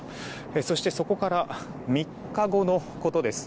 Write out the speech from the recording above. そして、そこから３日後のことです。